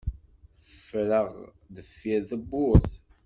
Ffreɣ deffir tewwurt.